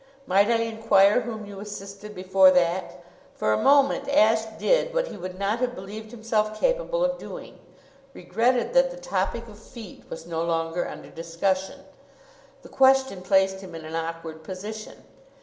Might I inquire whom you assisted before that?" For a moment Ashe did what he would not have believed himself capable of doing regretted that the topic of feet was no longer under discussion. The question placed him in an awkward position.